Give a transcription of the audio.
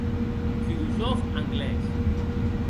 Filosòf anglés.